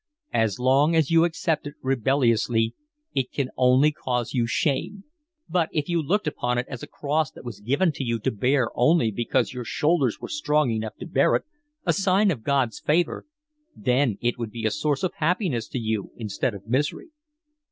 "As long as you accept it rebelliously it can only cause you shame. But if you looked upon it as a cross that was given you to bear only because your shoulders were strong enough to bear it, a sign of God's favour, then it would be a source of happiness to you instead of misery."